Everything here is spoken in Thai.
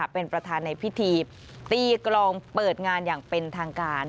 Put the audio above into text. เป็นประธานในพิธีตีกลองเปิดงานอย่างเป็นทางการ